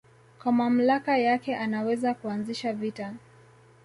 kwa mamlaka yake anaweza kuanzisha vita